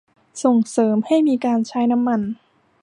ส่งเสริมให้มีการใช้น้ำมัน